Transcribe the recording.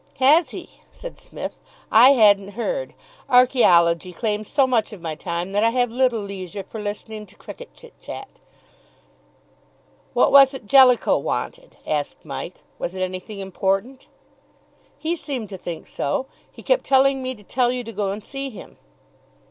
"Has he?" said Psmith; "I hadn't heard. Archaeology claims so much of my time that I have little leisure for listening to cricket chit chat." "What was it Jellicoe wanted?" asked Mike; "was it anything important?" "He seemed to think so he kept telling me to tell you to go and see him."